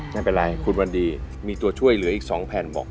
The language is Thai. ไม่เป็นไรคุณวันดีมีตัวช่วยเหลืออีก๒แผ่นบอก